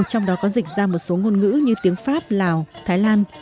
trong đó có dịch ra một số ngôn ngữ như tiếng pháp lào thái lan